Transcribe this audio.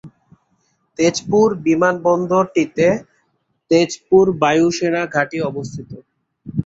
তেজপুর বিমানবন্দর টিতে তেজপুর বায়ু সেনা ঘাঁটি অবস্থিত।